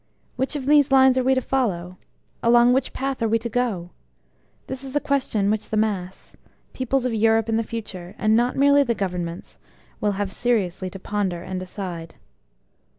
Which of these lines are we to follow? Along which path are we to go? This is a question which the mass peoples of Europe in the future and not merely the Governments will have seriously to ponder and decide.